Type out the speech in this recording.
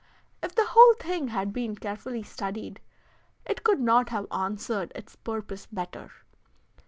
If the whole thing had been carefully studied it could not have answered its purpose better.